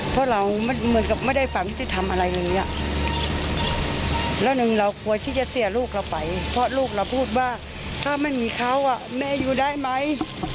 ถ้ามันมีเขาอะแม่อยู่ได้ไหม